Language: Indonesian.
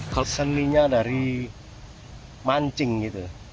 keseninya dari mancing gitu